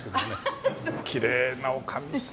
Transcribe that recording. きれいな女将さんでもう。